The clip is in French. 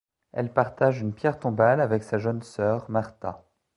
Elle partage une pierre tombale avec sa jeune sœur, Martha.